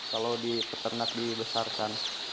kalau di peternak dibesarkan